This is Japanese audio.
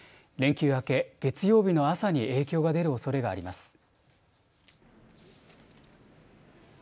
連休明け、月曜日の朝に影響が出るおそれがあります。